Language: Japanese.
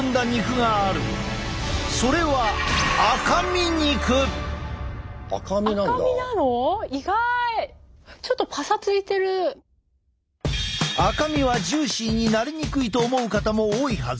それは赤身はジューシーになりにくいと思う方も多いはず。